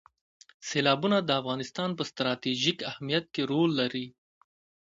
سیلابونه د افغانستان په ستراتیژیک اهمیت کې رول لري.